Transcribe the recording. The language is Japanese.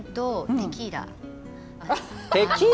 テキーラ！？